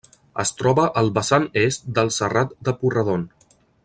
Es troba al vessant est del Serrat de Porredon.